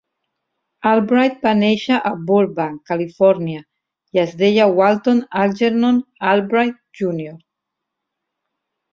Albright va néixer a Burbank, Califòrnia, i es deia Walton Algernon Albright júnior.